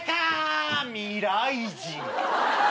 未来人。